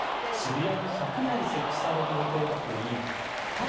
渋谷に１００台設置される予定だといい